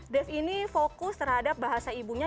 dev ini fokus terhadap bahasa ibunya